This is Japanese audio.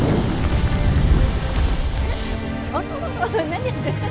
何やってるの？